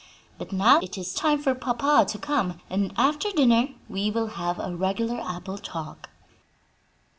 But now it is time for papa to come, and after dinner we will have a regular apple talk."